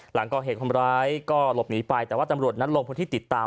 หลังก่อเหตุคนร้ายก็หลบหนีไปแต่ว่าตำรวจนั้นลงพื้นที่ติดตาม